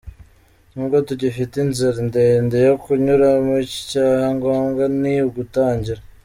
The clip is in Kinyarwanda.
N’ubwo tugifite inzira ndende yo kunyuramo, icya ngombwa ni ugutangira.